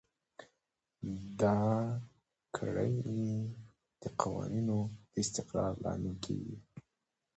دا کړنې د قوانینو د استقرار لامل کیږي.